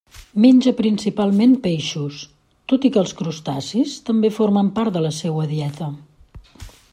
Menja principalment peixos, tot i que els crustacis també formen part de la seua dieta.